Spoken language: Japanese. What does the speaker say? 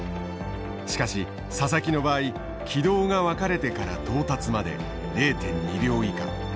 しかし佐々木の場合軌道が分かれてから到達まで０．２秒以下。